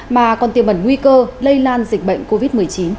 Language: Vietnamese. mà còn tiêm ẩn nguy cơ lây lan dịch bệnh covid một mươi chín